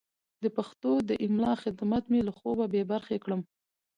د پښتو د املا خدمت مې له خوبه بې برخې کړم.